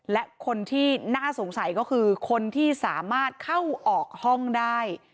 และคนที่น่าสงสัยก็คือคนที่สามารถเข้าออกห้องได้